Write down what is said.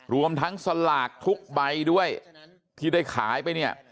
รวมทั้งสลากทุกใบด้วยที่ได้ขายไปเนี่ย